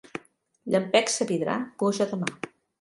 Llampecs a Vidrà, pluja demà.